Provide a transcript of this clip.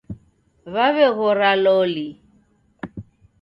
W'aweghora loli.